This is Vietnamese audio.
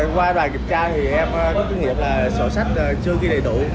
qua đoàn kiểm tra thì em có kinh nghiệm là sổ sách chưa ghi đầy đủ